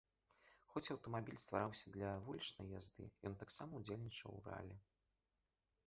Хоць аўтамабіль ствараўся для вулічнай язды, ён таксама ўдзельнічаў у ралі.